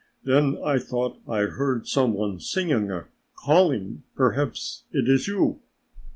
Then I thought I heard some one singing, calling, perhaps it is you?"